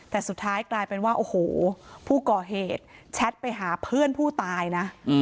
แต่สุดท้ายกลายเป็นว่าโอ้โหผู้ก่อเหตุแชทไปหาเพื่อนผู้ตายนะ